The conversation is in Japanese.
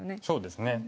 そうですね。